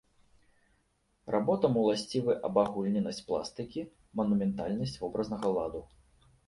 Работам уласцівы абагульненасць пластыкі, манументальнасць вобразнага ладу.